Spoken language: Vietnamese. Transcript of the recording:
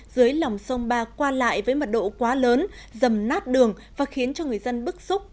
dưới lòng sông ba qua lại với mật độ quá lớn dầm nát đường và khiến cho người dân bức xúc